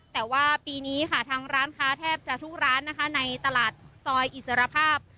แต่ว่าปีนี้ค่ะทางร้านค้าแทบจะทุกร้านนะคะในตลาดซอยอิสรภาพ